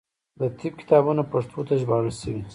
د طب کتابونه پښتو ته ژباړل شوي.